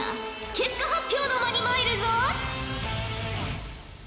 結果発表の間に参るぞ。